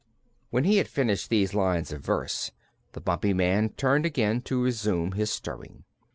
When he had finished these lines of verse the Bumpy Man turned again to resume his stirring.